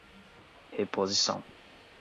reposição